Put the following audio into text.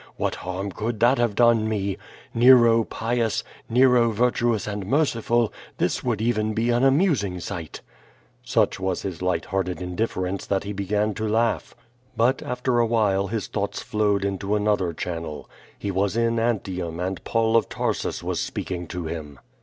What harm could that have done me? Nero pious, Nero vir tuous and merciful, this would even be an amusing sight." Such was his light hearted indifference that he began to laugh. But after awhile his thoughts flowed into another channel. H I was in Antium and Paul of Tarsus was speaking to him.